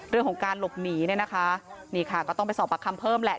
เรื่องของการหลบหนีเนี่ยนะคะนี่ค่ะก็ต้องไปสอบประคำเพิ่มแหละ